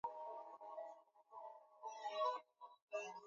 Miongoni mwa fursa hizo ni pamoja na ujenzi wa bandari ya uvuvi